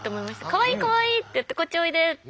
かわいいかわいいって言ってこっちおいでって。